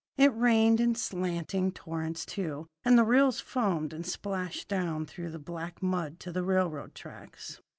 It rained in slanting torrents, too, and the rills foamed and splashed down through the black mud to the railroad tracks.